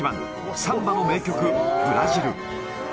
サンバの名曲、ブラジル。